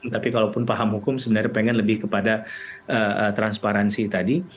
tapi kalau pun paham hukum sebenarnya pengen lebih kepada transparansi tadi